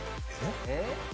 えっ？